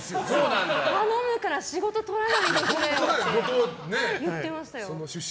頼むから仕事とらないでくれよって言ってましたよ。